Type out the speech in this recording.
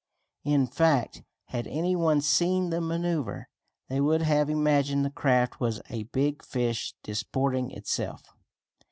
In fact, had any one seen the maneuver they would have imagined the craft was a big fish disporting itself.